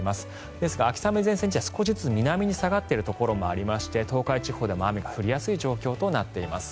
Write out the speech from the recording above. ですが、秋雨前線は少しずつ南に下がっているところもありまして東海地方でも雨が降りやすい状況となっています。